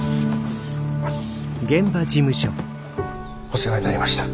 お世話になりました。